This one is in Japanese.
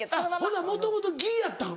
ほなもともと「ぎ」やったん？